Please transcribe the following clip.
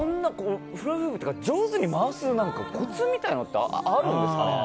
フラフープって上手に回せるコツみたいなものってあるんですかね？